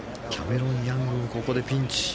キャメロン・ヤングもここでピンチ。